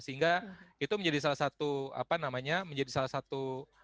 sehingga itu menjadi salah satu apa namanya menjadi salah satu